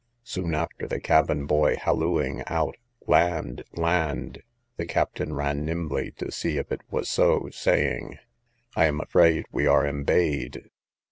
Soon after, the cabin boy hallooing out, land, land! the captain ran nimbly to see if it was so, saying, I am afraid we are embayed.